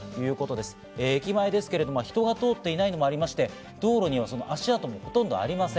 駅前ですけれども人が通っていないのもありまして、道路には足跡もほとんどありません。